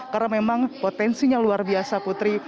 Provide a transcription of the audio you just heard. karena memang potensinya luar biasa putri